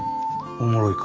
おもろいか？